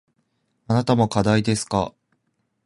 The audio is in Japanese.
あなたも課題ですか。